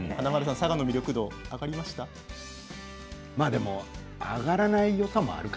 佐賀の魅力度、上がりましたか？